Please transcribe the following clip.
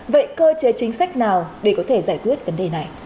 vậy cơ chế chính sách nào để có thể giải quyết vấn đề này